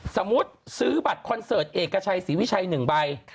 สมมุติซื้อบัตรคอนเสิร์ตเอกชัยศรีวิชัย๑ใบ